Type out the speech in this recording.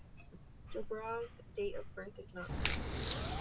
Dobrawa's date of birth is not known.